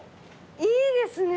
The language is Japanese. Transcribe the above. いいですね。